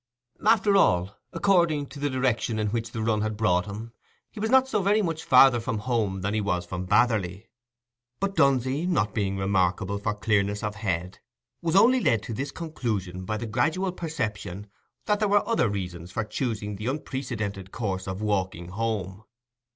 After all, according to the direction in which the run had brought him, he was not so very much farther from home than he was from Batherley; but Dunsey, not being remarkable for clearness of head, was only led to this conclusion by the gradual perception that there were other reasons for choosing the unprecedented course of walking home.